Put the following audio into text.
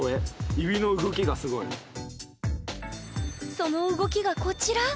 その動きがこちら！